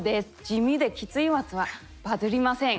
地味できついやつはバズりません。